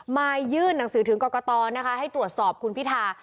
มายื่นหนังสือถึงกรกตนะคะให้ตรวจสอบคุณพิธา